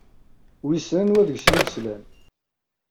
Wissen anwa deg-sen i yeslan?